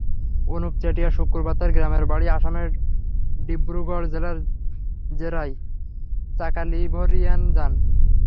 অনুপ চেটিয়া শুক্রবার তাঁর গ্রামের বাড়ি আসামের ডিব্রুগড় জেলার জেরাই চাকালিভোরিয়ায় যান।